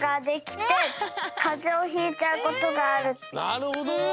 なるほど。